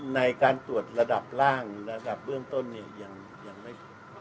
ในการตรวจระดับล่างระดับเบื้องต้นเนี่ยยังไม่